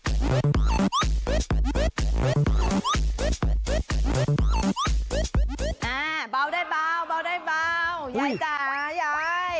อ่าเบาได้เบาเบาได้เบายายจ๋ายาย